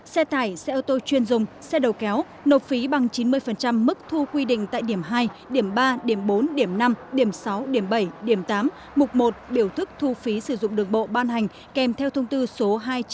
xe tải xe ô tô chuyên dùng xe đầu kéo nộp phí bằng chín mươi mức thu quy định tại điểm hai điểm ba điểm bốn điểm năm điểm sáu điểm bảy điểm tám mục một biểu thức thu phí sử dụng đường bộ ban hành kèm theo thông tư số hai trăm chín mươi